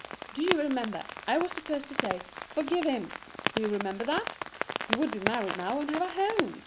Do you remember, I was the first to say "Forgive him?" Do you remember that? You would be married now and have a home.